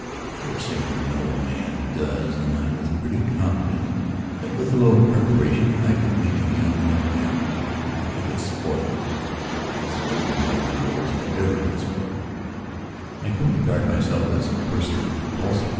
I dare say no man does and I was pretty confident that with a little preparation, I could make a young girl happy. I could spoil her as few young girls have ever been spoiled; and I couldn't regard myself as personally repulsive.